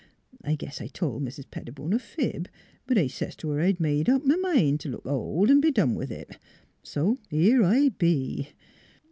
I guess I told Mis' Petti bone a fib; but I says t' her I'd made up m' mind t' look old, 'n' be done with it. So here I be